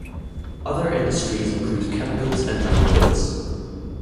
Other industries include chemicals and metal goods.